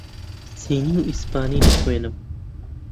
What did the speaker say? چینی و ئیسپانی دەخوێنم.